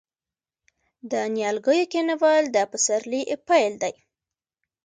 د نیالګیو کینول د پسرلي پیل دی.